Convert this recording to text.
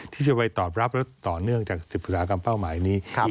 ที่จะไปตอบรับและต่อเนื่องจาก๑๐อุตสาหกรรมเป้าหมายนี้